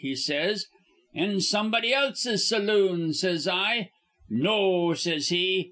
he says. 'In somebody else's saloon,' says I. 'No,' says he.